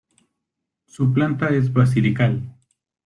Su planta es basilical.